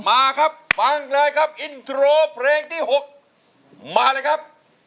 มาครับฟังเลยครับอินโทรเพลงที่๖มาเลยครับ